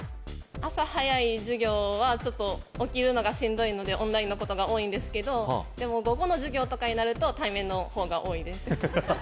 朝早い授業はちょっと起きるのがしんどいのでオンラインのことが多いんですけどでも午後の授業とかになると対面のほうが多いです